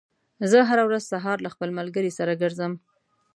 زه هره ورځ سهار له خپل ملګري سره ګرځم.